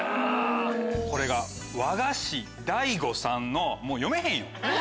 これが和菓子大吾さんのもう読めへんよ。